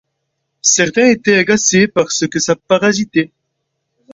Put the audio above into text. Certains étaient agacés, parce que ça parasitait.